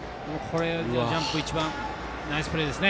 ジャンプ一番、ナイスプレーです。